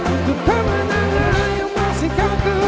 untuk kemenangan masih kan tuju